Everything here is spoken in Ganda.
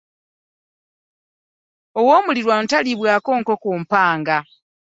Ow'omulirwano talibwako nkoko mpanga .